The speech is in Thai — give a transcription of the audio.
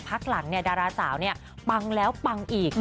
พักหลังเนี่ยดาราสาวเนี่ยปังแล้วปังอีก